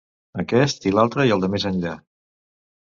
Aquest i l'altre i el de més enllà.